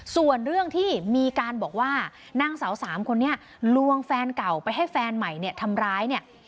ส่วนเรื่องที่มีการบอกว่านางสาวสามคนนี้ลวงแฟนเก่าไปให้แฟนใหม่เนี่ยทำร้ายเนี่ย